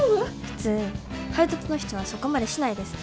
普通配達の人はそこまでしないです。